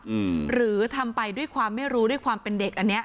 อืมหรือทำไปด้วยความไม่รู้ด้วยความเป็นเด็กอันเนี้ย